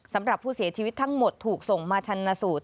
สำหรับผู้เสียชีวิตทั้งหมดถูกส่งมาชันสูตร